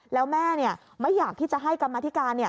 แล้วแม่ไม่อยากที่จะให้กรรมธิการ